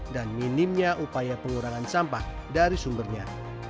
dan minimnya upaya pengurangan sampah dari sumbernya